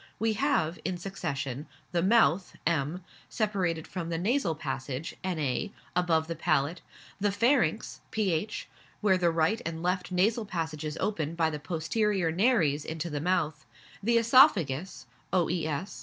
We have, in succession, the mouth (M.), separated from the nasal passage (Na.) above the palate; the pharynx (ph.), where the right and left nasal passages open by the posterior nares into the mouth; the oesophagus (oes.)